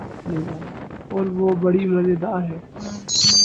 اوروہ بڑی مزیدار ہے۔